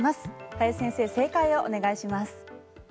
林先生、正解をお願いします。